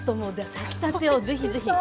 炊きたてをぜひぜひ。